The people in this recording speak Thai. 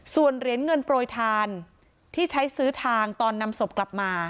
ส่วนเหรียญเงินโปรยทานที่ใช้ซื้อทางตอนนำศพกลับมา